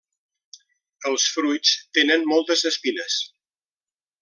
Els fruits tenen moltes espines.